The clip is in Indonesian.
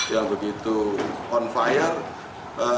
yang begitu on fire